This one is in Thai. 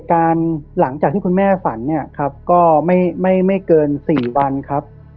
การหลังจากที่คุณแม่ฝันเนี่ยครับก็ไม่เกิน๔วันครับ